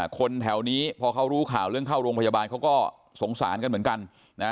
คนแถวนี้พอเขารู้ข่าวเรื่องเข้าโรงพยาบาลเขาก็สงสารกันเหมือนกันนะ